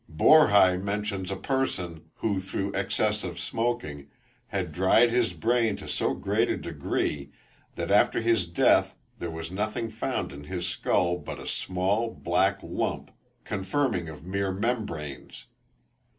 Borrhi mentions a person, who through excess of smoking, had dried his brain to so great a degree, that after his death there was nothing found in his skull but a small black lump confirming of mere membranes.